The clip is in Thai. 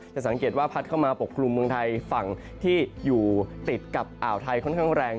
สังเกตว่าพัดเข้ามาปกคลุมเมืองไทยฝั่งที่อยู่ติดกับอ่าวไทยค่อนข้างแรง